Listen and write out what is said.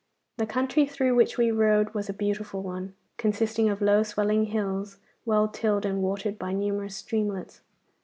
The country through which we rode was a beautiful one, consisting of low swelling hills, well tilled and watered by numerous streamlets.